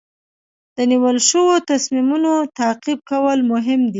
د نیول شوو تصمیمونو تعقیب کول مهم دي.